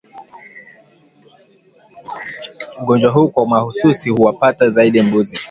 Ugonjwa huu kwa mahususi huwapata zaidi mbuzi